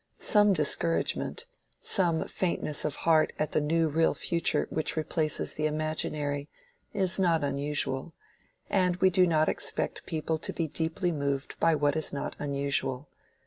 Some discouragement, some faintness of heart at the new real future which replaces the imaginary, is not unusual, and we do not expect people to be deeply moved by what is not unusual.